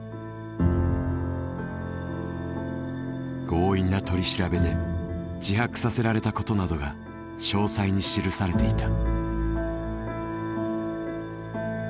強引な取り調べで自白させられたことなどが詳細に記されていた。